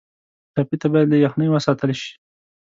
ټپي ته باید له یخنۍ وساتل شي.